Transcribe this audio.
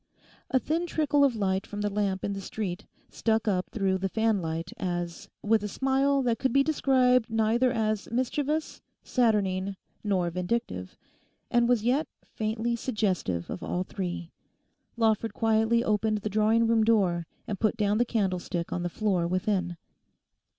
A thin trickle of light from the lamp in the street stuck up through the fanlight as, with a smile that could be described neither as mischievous, saturnine, nor vindictive, and was yet faintly suggestive of all three, Lawford quietly opened the drawing room door and put down the candlestick on the floor within.